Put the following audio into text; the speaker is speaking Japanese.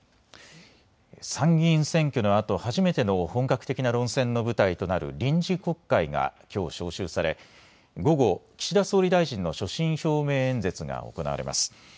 参議院選挙のあと初めての本格的な論戦の舞台となる臨時国会がきょう召集され、午後、岸田総理大臣の所信表明演説が行われます。